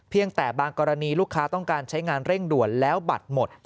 แต่บางกรณีลูกค้าต้องการใช้งานเร่งด่วนแล้วบัตรหมด